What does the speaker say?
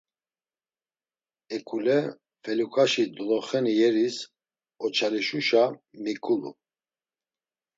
Eǩule feluǩaşi doloxeni yeris oçalişuşa miǩulu.